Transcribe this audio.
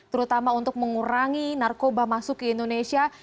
terutama untuk mengurangi narkoba masuk ke indonesia